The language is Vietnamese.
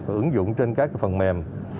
ứng dụng trên các phần mềm